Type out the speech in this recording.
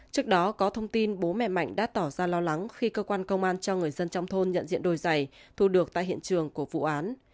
trước đó có thông tin bố mẹ mạnh đã tỏ ra lo lắng khi cơ quan công an cho người dân trong thôn nhận diện đồi giày thu được tại hiện trường của vụ án